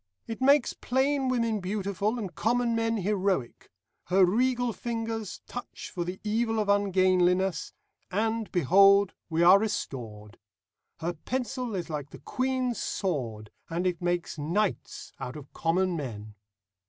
It makes plain women beautiful, and common men heroic. Her regal fingers touch for the evil of ungainliness, and, behold, we are restored. Her pencil is like the Queen's sword, and it makes knights out of common men.